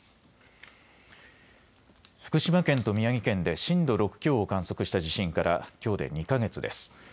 福島県と宮城県で震度６強を観測した地震からきょうで２か月です。